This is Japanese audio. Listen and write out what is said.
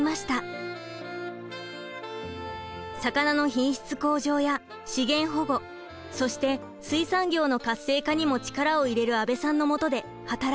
「魚の品質向上や資源保護そして水産業の活性化にも力を入れる阿部さんのもとで働いてみたい」。